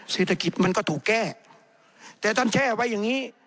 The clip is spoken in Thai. เศรษฐกิจมันก็ถูกแก้แต่ท่านแช่ไว้อย่างนี้